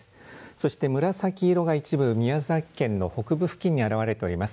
そして紫色が一部、宮崎県の北部付近に現れております。